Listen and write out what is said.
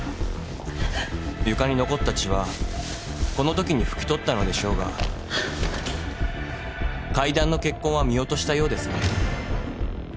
床に残った血はこのときに拭き取ったのでしょうが階段の血痕は見落としたようですね。